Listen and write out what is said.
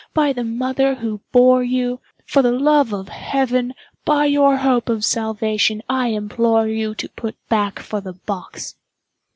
By the mother who bore you—for the love of Heaven—by your hope of salvation, I implore you to put back for the box!"